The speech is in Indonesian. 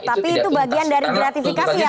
tapi itu bagian dari gratifikasi ya